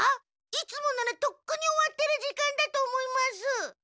いつもならとっくに終わってる時間だと思います。